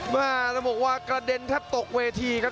มาต้องบอกว่ากระเด็นแทบตกเวทีครับ